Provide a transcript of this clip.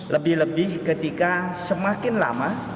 lebih lebih ketika semakin lama